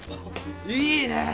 いいねぇ！